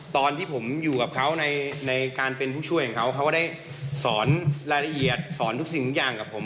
ตอนที่ผมอยู่กับเขาในการเป็นผู้ช่วยของเขาเขาก็ได้สอนรายละเอียดสอนทุกสิ่งทุกอย่างกับผม